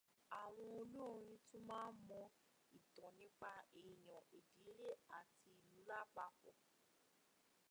Àwọn olórin tún máa ń mọ ìtàn nípa èèyàn, ìdílé àti ìlú lápapọ̀.